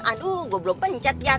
aduh gua belum pencet iyan